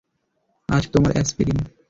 আর তোমার অ্যাসপিরিন।